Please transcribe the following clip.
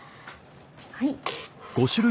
はい。